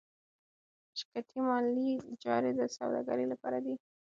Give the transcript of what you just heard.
شرکتي مالي چارې د سوداګرۍ لپاره دي.